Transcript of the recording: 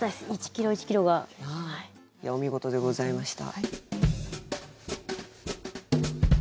お見事でございました。